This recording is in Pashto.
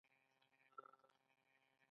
ایا زه باید مستې وخورم؟